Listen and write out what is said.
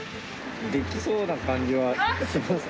・できそうな感じはします。